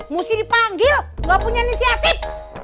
muci dipanggil nggak punya inisiatif